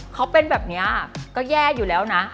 เขาเป็นแบบนี้ก็แย่อยู่แล้วนะ